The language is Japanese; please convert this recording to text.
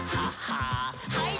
はい。